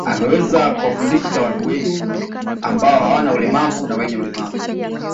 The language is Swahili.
Ameweza kuwafundisha watu wengi ambao hawana ulemavu na wenye ulemavu